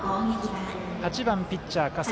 ８番ピッチャー、葛西。